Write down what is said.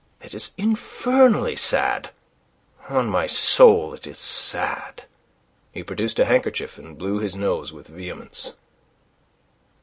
It is infernally sad. On my soul it is sad." He produced a handkerchief, and blew his nose with vehemence.